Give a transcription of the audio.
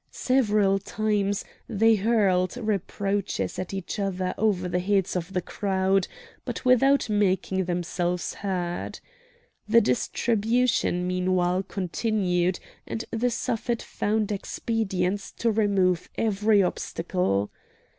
Several times they hurled reproaches at each other over the heads of the crowd, but without making themselves heard. The distribution, meanwhile, continued, and the Suffet found expedients to remove every obstacle.